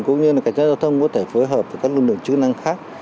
cũng như là cảnh sát giao thông có thể phối hợp với các lực lượng chức năng khác